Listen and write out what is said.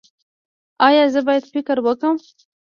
ایا زه باید فکر وکړم؟